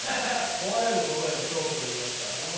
壊れることへの恐怖といいますか。